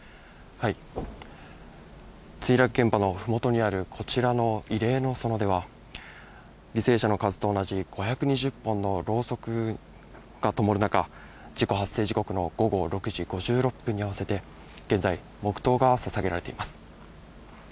墜落現場のふもとにあるこちらの慰霊の園では、犠牲者の数と同じ５２０本のろうそくがともる中、事故発生時刻の午後６時５６分に合わせて、現在、黙とうがささげられています。